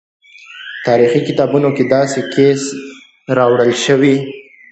تاریخي کتابونو کې داسې کیسې راوړل شوي.